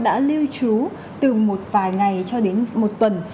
đã lưu trú từ một vài ngày cho đến một tuần